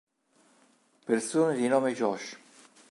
Persone di nome Josh